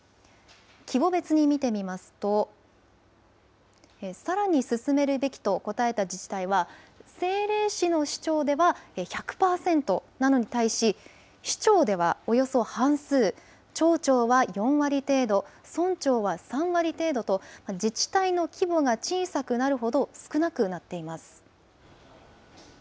規模別に見てみますと、さらに進めるべきと答えた自治体は、政令市の市長では１００％なのに対し、市長ではおよそ半数、町長は４割程度、村長は３割程度と、自治体の規模が小さくなるほど、少なくなっています。